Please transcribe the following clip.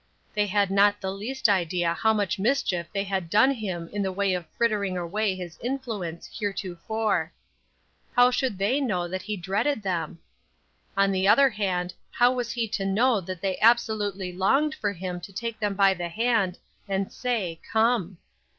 They had not the least idea how much mischief they had done him in the way of frittering away his influence heretofore. How should they know that he dreaded them? On the other hand how was he to know that they absolutely longed for him to take them by the hand, and say, "Come?"